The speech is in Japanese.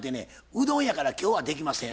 うどんやから今日はできません。